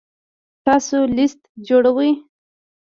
تاسو لیست جوړوئ؟